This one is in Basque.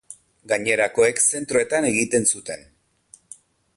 Gainerakoek zentroetan egiten zuten.